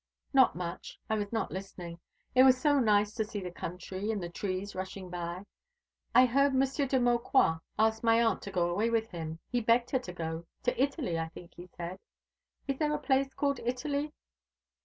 "Not much. I was not listening. It was so nice to see the country, and the trees rushing by. I heard Monsieur de Maucroix ask my aunt to go away with him he begged her to go to Italy, I think he said. Is there a place called Italy?"